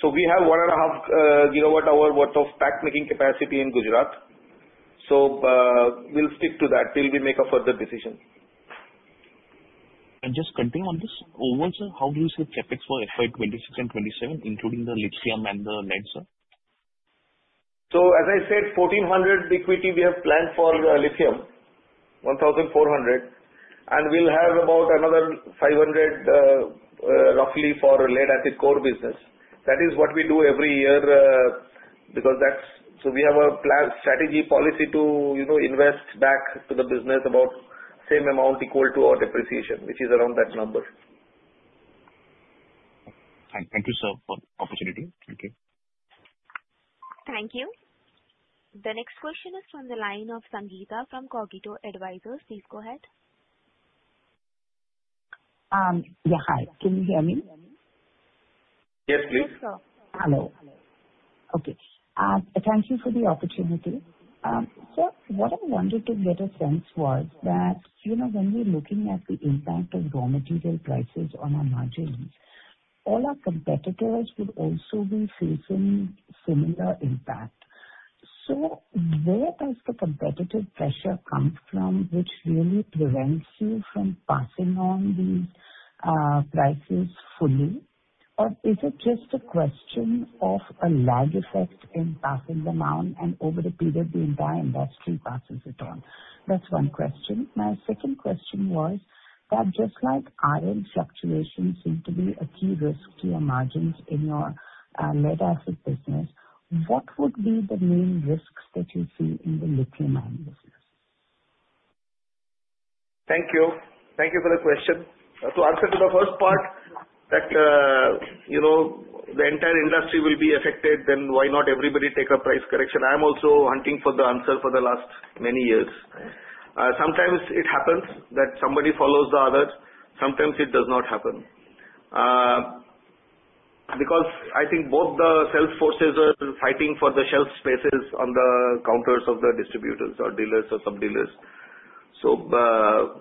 So we have 1.5 GWh worth of pack-making capacity in Gujarat. So we'll stick to that till we make a further decision. And just continuing on this, overall, sir, how do you see CapEx for FY 2026 and FY 2027, including the lithium and the lead, sir? So, as I said, 1,400 equity we have planned for lithium, 1,400, and we'll have about another 500, roughly for lead-acid core business. That is what we do every year, because that's, so we have a plan, strategy, policy to, you know, invest back to the business about same amount equal to our depreciation, which is around that number. Thank you, sir, for the opportunity. Thank you. Thank you. The next question is from the line of Sangeeta from Cogito Advisors. Please go ahead. Yeah. Hi, can you hear me? Yes, please. Yes, sir. Hello. Okay. Thank you for the opportunity. So what I wanted to get a sense was that, you know, when we're looking at the impact of raw material prices on our margins, all our competitors would also be facing similar impact. So where does the competitive pressure come from, which really prevents you from passing on these prices fully? Or is it just a question of a lag effect in passing them on, and over the period, the entire industry passes it on? That's one question. My second question was that, just like RM fluctuations seem to be a key risk to your margins in your lead-acid business, what would be the main risks that you see in the lithium-ion business? Thank you. Thank you for the question. To answer to the first part, that, you know, the entire industry will be affected, then why not everybody take a price correction? I am also hunting for the answer for the last many years. Sometimes it happens that somebody follows the others, sometimes it does not happen. Because I think both the sales forces are fighting for the shelf spaces on the counters of the distributors or dealers or sub-dealers. So,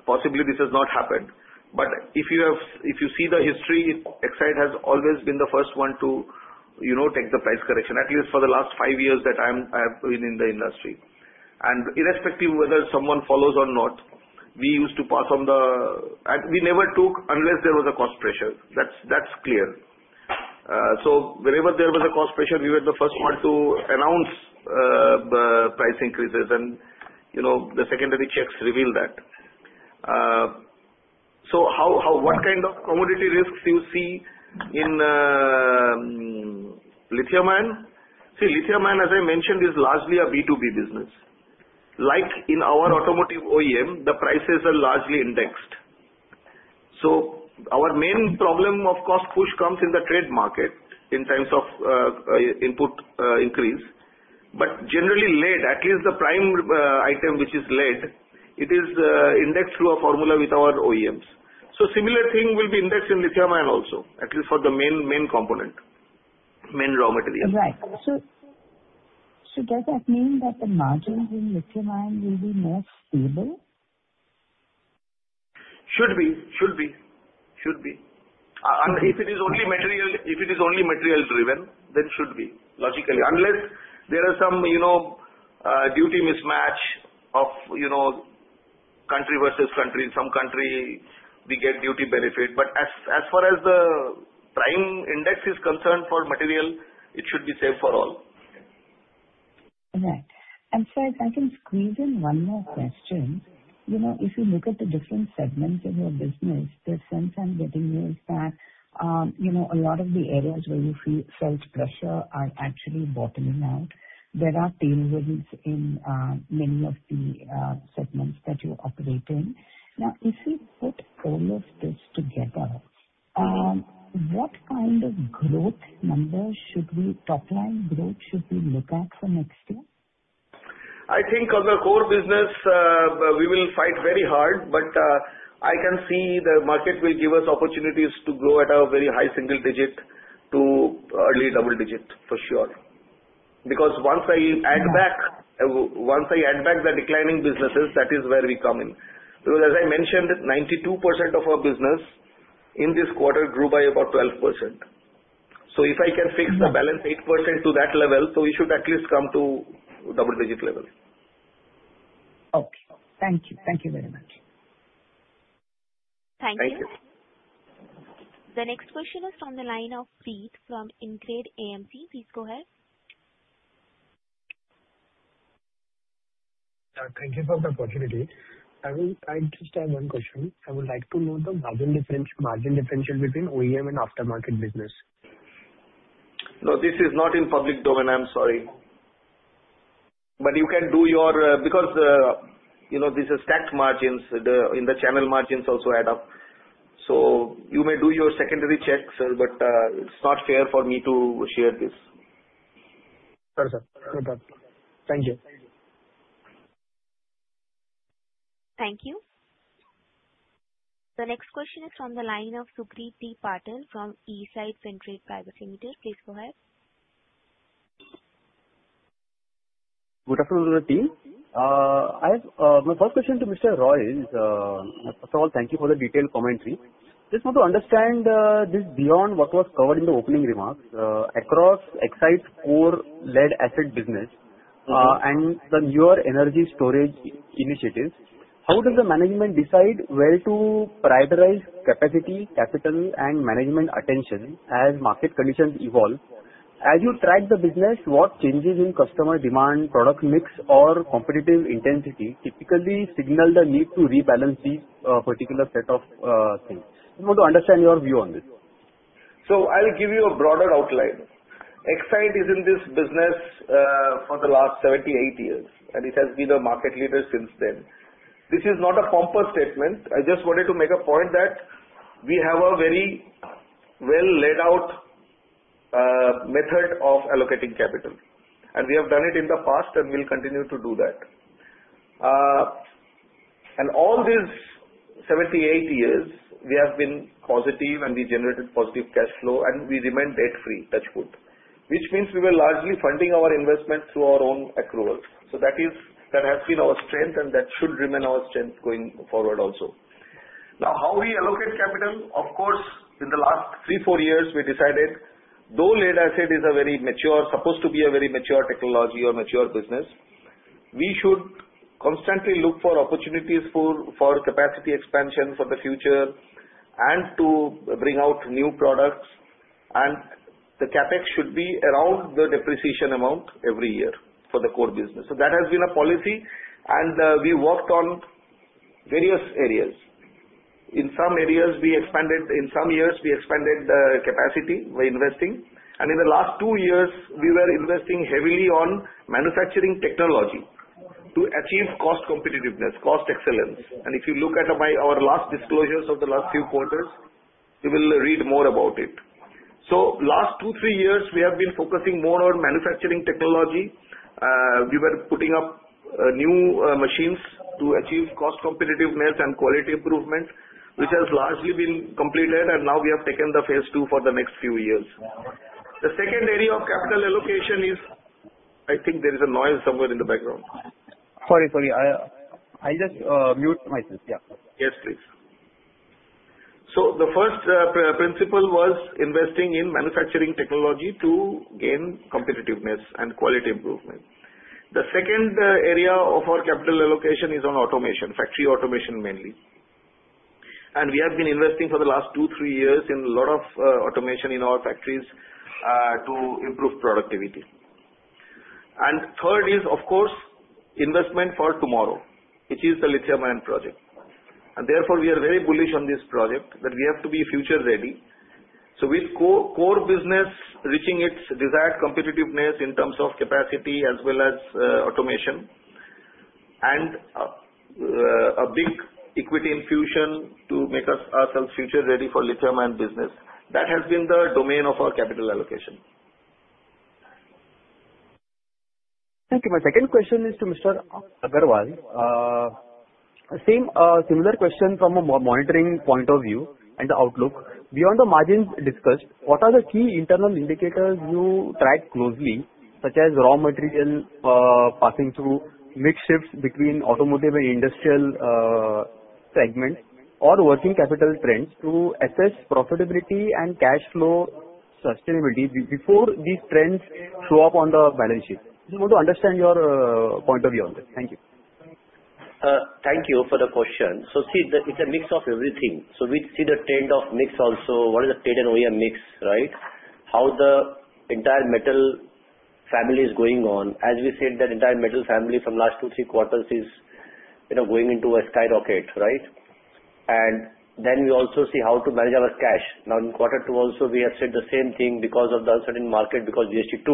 possibly this has not happened. But if you have, if you see the history, Exide has always been the first one to, you know, take the price correction, at least for the last five years that I'm, I have been in the industry. And irrespective whether someone follows or not, we used to pass on the, we never took unless there was a cost pressure. That's clear. So wherever there was a cost pressure, we were the first one to announce price increases. You know, the secondary checks reveal that. So how what kind of commodity risks you see in lithium-ion. See, lithium-ion, as I mentioned, is largely a B2B business. Like in our automotive OEM, the prices are largely indexed. So our main problem, of course, push comes in the trade market in terms of input increase. But generally, lead, at least the prime item, which is lead, it is indexed through a formula with our OEMs. So similar thing will be indexed in lithium-ion also, at least for the main, main component, main raw material. Right. So, so does that mean that the margins in lithium-ion will be more stable? Should be, should be, should be. If it is only material, if it is only material driven, then it should be, logically. Unless there are some, you know, duty mismatch of, you know, country versus country. In some country, we get duty benefit. But as far as the prime index is concerned for material, it should be same for all. Right. And sir, if I can squeeze in one more question. You know, if you look at the different segments of your business, the sense I'm getting here is that, you know, a lot of the areas where you felt pressure are actually bottoming out. There are tailwinds in, many of the, segments that you operate in. Now, if you put all of this together, what kind of growth numbers should we—top line growth should we look at for next year? I think on the core business, we will fight very hard, but, I can see the market will give us opportunities to grow at a very high single digit to early double digit, for sure. Because once I add back, once I add back the declining businesses, that is where we come in. Because as I mentioned, 92% of our business in this quarter grew by about 12%. So if I can fix the balance 8% to that level, so we should at least come to double digit level. Okay. Thank you. Thank you very much. Thank you. Thank you. The next question is from the line of Preet from InCred AMC. Please go ahead. Thank you for the opportunity. I just have one question. I would like to know the margin differential between OEM and aftermarket business. No, this is not in public domain. I'm sorry. But you can do your, because, you know, this is stacked margins, the, and the channel margins also add up. So you may do your secondary check, sir, but, it's not fair for me to share this. Sure, sir. No problem. Thank you. Thank you. The next question is from the line of Sucrit P. Patil from Eyesight Fintrade Pvt Ltd. Please go ahead. Good afternoon, team. My first question to Mr. Roy is, first of all, thank you for the detailed commentary. Just want to understand, just beyond what was covered in the opening remarks, across Exide's core lead-acid business, and the newer energy storage initiatives, how does the management decide where to prioritize capacity, capital, and management attention as market conditions evolve? As you track the business, what changes in customer demand, product mix, or competitive intensity typically signal the need to rebalance these particular set of things? I want to understand your view on this. So I'll give you a broader outline. Exide is in this business, for the last 78 years, and it has been a market leader since then. This is not a compass statement. I just wanted to make a point that we have a very well laid out, method of allocating capital, and we have done it in the past, and we'll continue to do that. And all these 78 years, we have been positive, and we generated positive cash flow, and we remain debt-free, touch wood. Which means we were largely funding our investment through our own accrual. So that is, that has been our strength and that should remain our strength going forward also. Now, how we allocate capital? Of course, in the last three to four years, we decided, though lead-acid is a very mature, supposed to be a very mature technology or mature business, we should constantly look for opportunities for capacity expansion for the future and to bring out new products. And the CapEx should be around the depreciation amount every year for the core business. So that has been a policy, and we worked on various areas. In some areas, we expanded, in some years, we expanded the capacity by investing, and in the last two years, we were investing heavily on manufacturing technology to achieve cost competitiveness, cost excellence. And if you look at our last disclosures of the last few quarters, you will read more about it. So last two to three years, we have been focusing more on manufacturing technology. We were putting up new machines to achieve cost competitiveness and quality improvement, which has largely been completed, and now we have taken the phase two for the next few years. The second area of capital allocation is, I think there is a noise somewhere in the background. Sorry, sorry. I just mute myself. Yeah. Yes, please. So the first principle was investing in manufacturing technology to gain competitiveness and quality improvement. The second area of our capital allocation is on automation, factory automation, mainly. And we have been investing for the last two to three years in a lot of automation in our factories to improve productivity. And third is, of course, investment for tomorrow, which is the lithium-ion project. And therefore we are very bullish on this project that we have to be future-ready. So with core business reaching its desired competitiveness in terms of capacity as well as automation and a big equity infusion to make ourselves future-ready for lithium-ion business, that has been the domain of our capital allocation. Thank you. My second question is to Mr. Agarwal. Same, similar question from a monitoring point of view and the outlook. Beyond the margins discussed, what are the key internal indicators you track closely, such as raw material passing through mix shifts between automotive and industrial segments or working capital trends to assess profitability and cash flow sustainability before these trends show up on the balance sheet? I just want to understand your point of view on this. Thank you. Thank you for the question. So see, it's a mix of everything. So we see the trend of mix also, what is the trend OEM mix, right? How the entire metal family is going on. As we said, that entire metal family from last two to three quarters is, you know, going into a skyrocket, right? And then we also see how to manage our cash. Now, in quarter two also, we have said the same thing because of the uncertain market, because BS-VI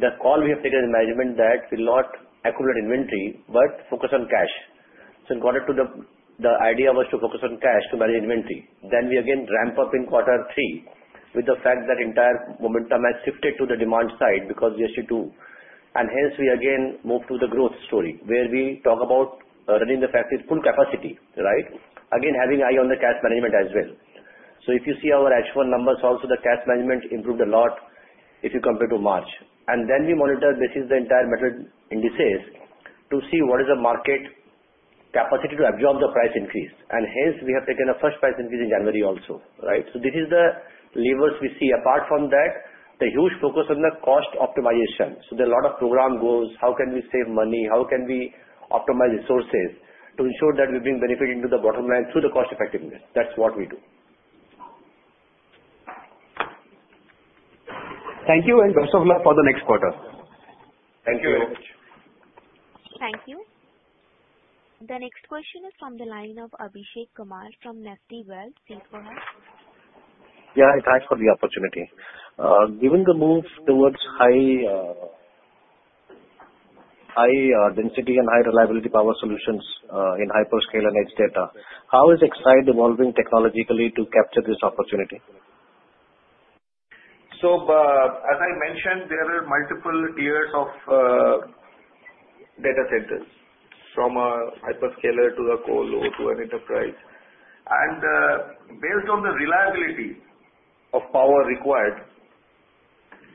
2, the call we have taken in management that we'll not accumulate inventory, but focus on cash. So in quarter two, the, the idea was to focus on cash to manage inventory. Then we again ramp up in quarter three with the fact that entire momentum has shifted to the demand side because BS-VI 2, and hence we again move to the growth story, where we talk about, running the factory at full capacity, right? Again, having eye on the cash management as well. So if you see our H1 numbers, also the cash management improved a lot if you compare to March. And then we monitor, this is the entire metal indices, to see what is the market capacity to absorb the price increase. And hence, we have taken a fresh price increase in January also, right? So this is the levers we see. Apart from that, a huge focus on the cost optimization. So there are a lot of program goes: How can we save money? How can we optimize resources to ensure that we bring benefit into the bottom line through the cost effectiveness? That's what we do. Thank you, and best of luck for the next quarter. Thank you very much. Thank you. The next question is from the line of [Abhishek Kumar] from [Nifty Wealth]. Please go ahead. Yeah, thanks for the opportunity. Given the move towards high density and high reliability power solutions, in hyperscale and edge data, how is Exide evolving technologically to capture this opportunity? So, as I mentioned, there are multiple tiers of data centers, from a hyperscaler to a colo to an enterprise. And, based on the reliability of power required,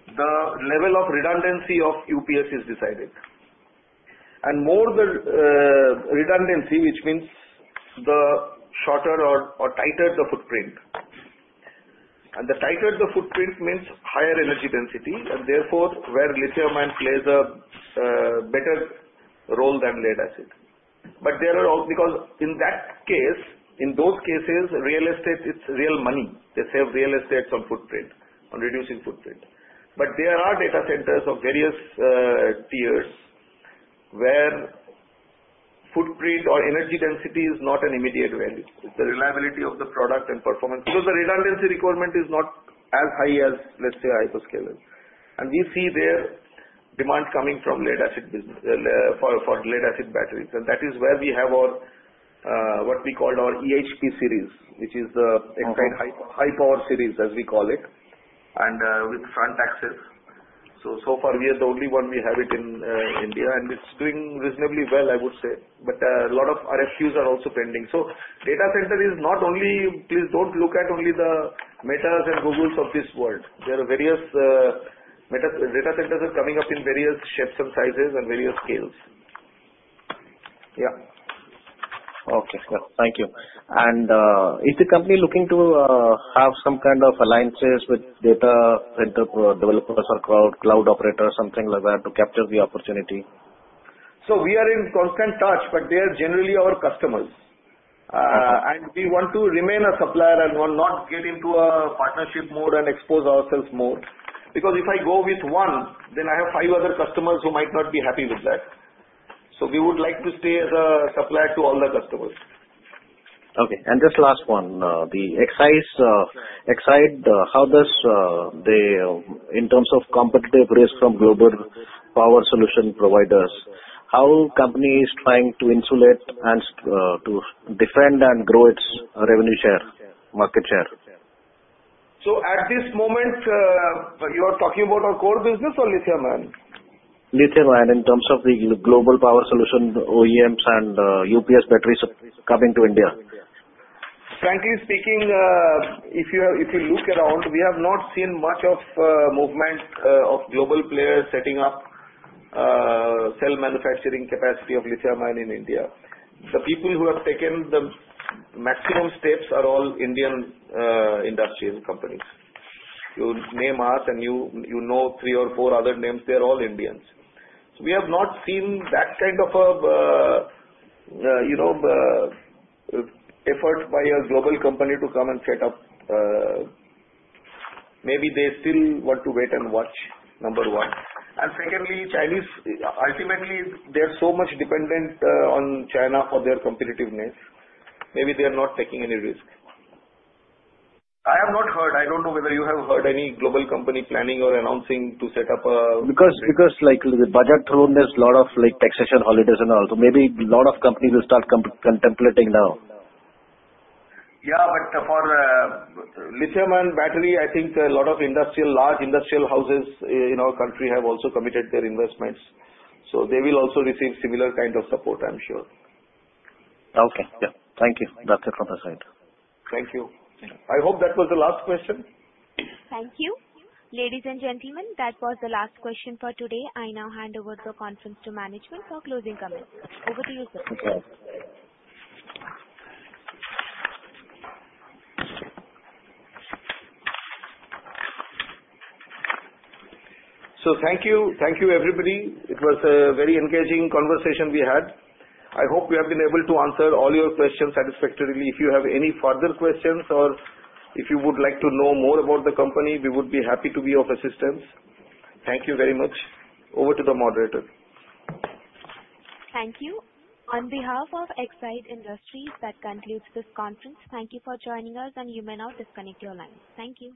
the level of redundancy of UPS is decided. And more the redundancy, which means the shorter or tighter the footprint, and the tighter the footprint means higher energy density, and therefore where lithium-ion plays a better role than lead-acid. But there are, because in that case, in those cases, real estate, it's real money. They save real estate on footprint, on reducing footprint. But there are data centers of various tiers, where footprint or energy density is not an immediate value. It's the reliability of the product and performance, because the redundancy requirement is not as high as, let's say, a hyperscaler. We see their demand coming from lead-acid business for lead-acid batteries, and that is where we have our what we call our EHP Series, which is the extra high power series, as we call it, and with front access. So far we are the only one we have it in India, and it's doing reasonably well, I would say. But a lot of RFQs are also pending. So data center is not only, please don't look at only the Metas and Googles of this world. There are various metro data centers coming up in various shapes and sizes and various scales. Yeah. Okay, yeah. Thank you. Is the company looking to have some kind of alliances with data center developers or cloud, cloud operators, something like that, to capture the opportunity? We are in constant touch, but they are generally our customers. Okay. And we want to remain a supplier and will not get into a partnership more and expose ourselves more. Because if I go with one, then I have five other customers who might not be happy with that. So we would like to stay as a supplier to all the customers. Okay, and just last one. Exide, how does the in terms of competitive risk from global power solution providers, how company is trying to insulate and to defend and grow its revenue share, market share? At this moment, you are talking about our core business or lithium-ion? Lithium-ion, in terms of the global power solution, OEMs and UPS batteries coming to India. Frankly speaking, if you, if you look around, we have not seen much of movement of global players setting up cell manufacturing capacity of lithium-ion in India. The people who have taken the maximum steps are all Indian industrial companies. You name us, and you, you know three or four other names, they're all Indians. So we have not seen that kind of a you know effort by a global company to come and set up. Maybe they still want to wait and watch, number one. And secondly, Chinese, ultimately, they're so much dependent on China for their competitiveness. Maybe they are not taking any risk. I have not heard, I don't know whether you have heard any global company planning or announcing to set up a. Because like the budget through, there's a lot of like taxation holidays and all, so maybe a lot of companies will start contemplating now. Yeah, but for lithium-ion battery, I think a lot of industrial, large industrial houses in our country have also committed their investments, so they will also receive similar kind of support, I'm sure. Okay. Yeah. Thank you. That's it from my side. Thank you. I hope that was the last question. Thank you. Ladies and gentlemen, that was the last question for today. I now hand over the conference to management for closing comments. Over to you, sir. Thank you. Thank you, everybody. It was a very engaging conversation we had. I hope we have been able to answer all your questions satisfactorily. If you have any further questions or if you would like to know more about the company, we would be happy to be of assistance. Thank you very much. Over to the moderator. Thank you. On behalf of Exide Industries, that concludes this conference. Thank you for joining us, and you may now disconnect your lines. Thank you.